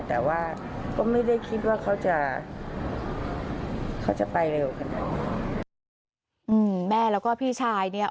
แต่ว่าก็ไม่ได้คิดว่าเขาจะเขาจะไปเร็วขนาดไหนอืมแม่แล้วก็พี่ชายเนี้ย